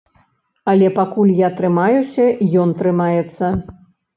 Але пакуль я трымаюся, ён трымаецца.